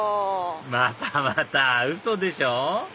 またまたウソでしょ？